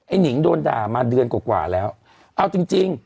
หนิงโดนด่ามาเดือนกว่ากว่าแล้วเอาจริงจริง